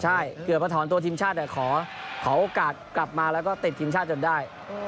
ใช่เกือบมาถอนตัวทีมชาติแต่ขอโอกาสกลับมาแล้วก็ติดทีมชาติจนได้